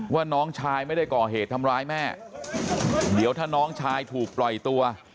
ว่าน้องชายไม่ได้ก่อเหตุทำร้ายแม่เดี๋ยวถ้าน้องชายถูกปล่อยตัว